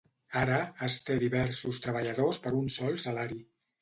Ara, es té diversos treballadors per un sol salari.